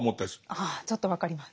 ああちょっと分かります。